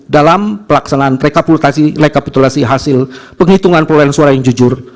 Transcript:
dalam pelaksanaan rekapitulasi hasil penghitungan perolehan suara yang jujur